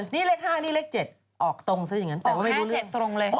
นี่เลข๕นี่เลข๗ออกตรงแสดงอย่างงั้น